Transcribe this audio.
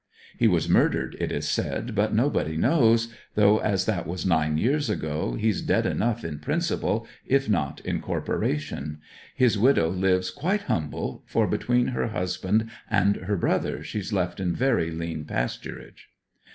He was murdered, it is said, but nobody knows; though as that was nine years ago he's dead enough in principle, if not in corporation. His widow lives quite humble, for between her husband and her brother she's left in very lean pasturage.'